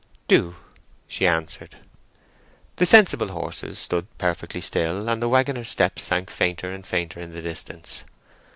"Do," she answered. The sensible horses stood—perfectly still, and the waggoner's steps sank fainter and fainter in the distance.